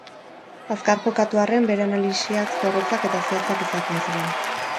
Azkar jokatu arren, bere analisiak zorrotzak eta zehatzak izaten ziren.